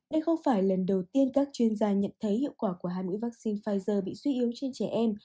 đây không phải lần đầu tiên các chuyên gia nhận thấy hiệu quả của hai mũi vaccine pfizer bị suy yếu trên trẻ em